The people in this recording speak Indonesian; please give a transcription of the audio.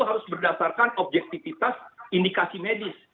harus berdasarkan objektivitas indikasi medis